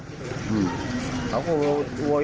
ผมพักปืน